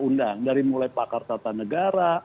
undang dari mulai pakar tata negara